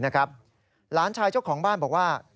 หลานชายเจ้าของบ้านบอกว่า